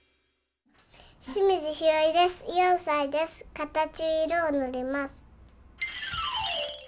かたちにいろをぬります。